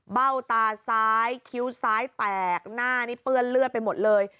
เบ้าตาซ้ายคิ้วซ้ายแตกหน้านี่เปื้อนเลือดไปหมดเลย